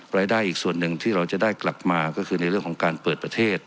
รายได้อีกส่วนหนึ่งที่เราจะได้กลับมาก็คือในเรื่องของการเปิดประเทศ